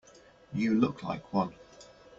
You look like one.